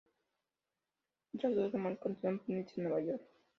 Otras dos demandas continúan pendientes en Nueva York.